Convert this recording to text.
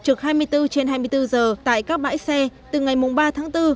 trực hai mươi bốn trên hai mươi bốn giờ tại các bãi xe từ ngày ba tháng bốn